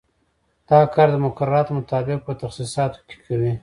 دا کار د مقرراتو مطابق په تخصیصاتو کې کوي.